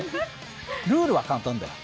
ルールは簡単だよ。